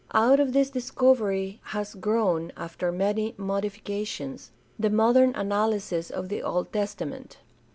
Out of this discovery has grown, after many modifications, the modern analysis of the Old Testament.